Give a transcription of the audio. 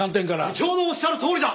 部長のおっしゃるとおりだ！